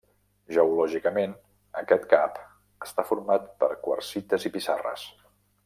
Geològicament aquest cap està format per quarsites i pissarres.